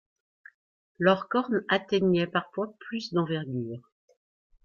Leurs cornes atteignaient parfois plus de d'envergure.